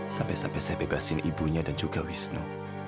sampai sampai saya bebasin ibunya dan juga wisnu